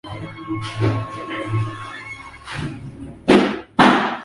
la kibinafsi Kwa kukualika nyumbani kwao Waturuki